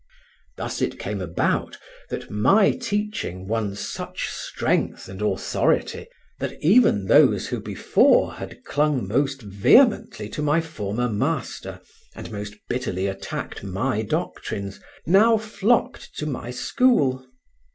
Thus it came about that my teaching won such strength and authority that even those who before had clung most vehemently to my former master, and most bitterly attacked my doctrines, now flocked to my school.